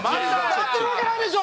なってるわけないでしょ！